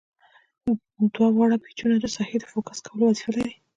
دوه واړه پیچونه د ساحې د فوکس کولو وظیفه لري.